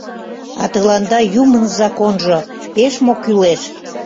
— А тыланда юмын законжо пеш мо кӱлеш?